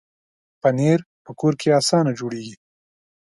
پنېر په کور کې اسانه جوړېږي.